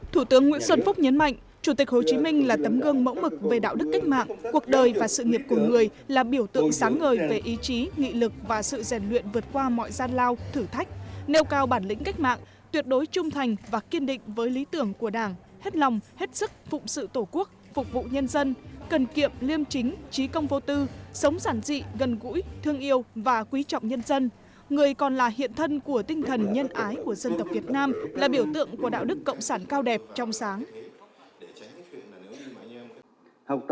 thủ tướng nguyễn xuân phúc nhấn mạnh chủ tịch hồ chí minh là tấm gương mẫu mực về đạo đức cách mạng cuộc đời và sự nghiệp của người là biểu tượng sáng ngời về ý chí nghị lực và sự rèn luyện vượt qua mọi gian lao thử thách nêu cao bản lĩnh cách mạng tuyệt đối trung thành và kiên định với lý tưởng của đảng hết lòng hết sức phụng sự tổ quốc phục vụ nhân dân cần kiệm liêm chính trí công vô tư sống giản dị gần gũi thương yêu và quý trọng nhân dân người còn là hiện thân của tinh thần nhân ái của dân t